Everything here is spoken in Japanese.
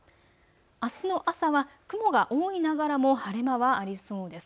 あすの朝は雲が多いながらも晴れ間はありそうです。